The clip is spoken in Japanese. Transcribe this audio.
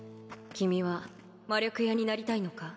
君は魔力屋になりたいのか？